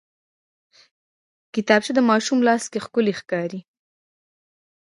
کتابچه د ماشوم لاس کې ښکلي ښکاري